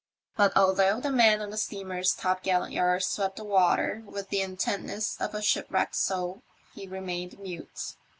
But although the man on the steamer's topgallant yard swept the water with the intentness of a shipwrecked soul, he remained mute.